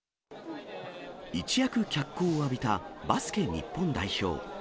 一躍脚光を浴びたバスケ日本代表。